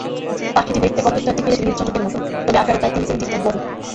পাখিটি দেখতে কতকটা টিকেলের নীল চটকের মতো, তবে আকারে প্রায় তিন সেন্টিমিটার বড়।